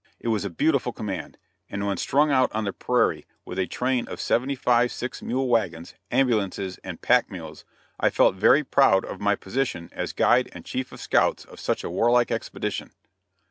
It was a beautiful command, and when strung out on the prairie with a train of seventy five six mule wagons, ambulances and pack mules, I felt very proud of my position as guide and chief of scouts of such a warlike expedition.